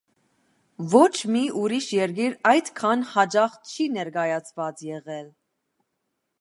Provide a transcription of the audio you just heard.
Ոչ մի ուրիշ երկիր այդքան հաճախ չի ներկայացված եղել։